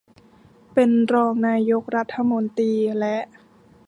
เป็นรองนายกรัฐมนตรีและ